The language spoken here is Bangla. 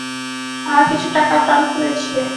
আমার কিছু টাকার টান পড়েছে।